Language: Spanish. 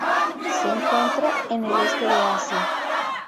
Se encuentra en el Este de Asia.